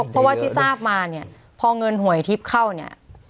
เพราะว่าที่ทราบมาเนี่ยพอเงินหวยทิพย์เข้าเนี่ย